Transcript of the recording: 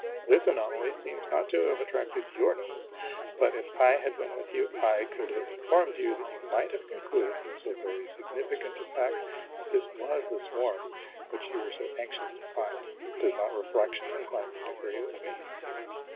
This anomaly seems not to have attracted your notice ; but, if I had been with you, I could have informed you that you might have concluded from so very significant a fact that this was the swarm which you are so anxious to find. Does not reflection incline you to agree with me